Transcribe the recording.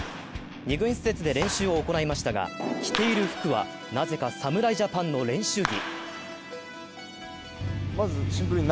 ２軍施設で練習を行いましたが、着ている服はなぜか侍ジャパンの練習着。